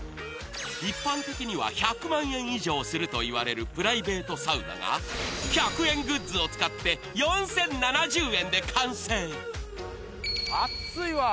一般的には１００万円以上するといわれるプライベートサウナが１００円グッズを使って、あっついわ。